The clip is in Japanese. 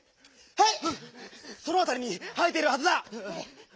はい！